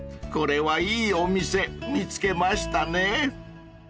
［これはいいお店見つけましたね］